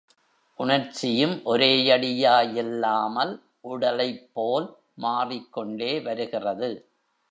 உணர்ச்சியும் ஒரேயடியா யில்லாமல் உடலைப் போல் மாறிக்கொண்டே வருகிறது.